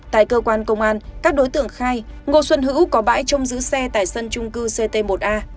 tại cơ quan công an các đối tượng khai ngô xuân hữu có bãi trông giữ xe tại sân trung cư ct một a